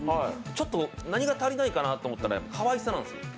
ちょっと何が足りないかなと思ったらかわいさなんですよ。